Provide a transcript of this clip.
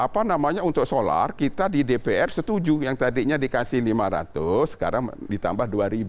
apa namanya untuk solar kita di dpr setuju yang tadinya dikasih lima ratus sekarang ditambah dua ribu